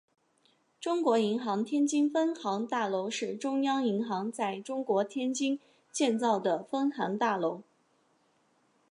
中央银行天津分行大楼是中央银行在中国天津建造的分行大楼。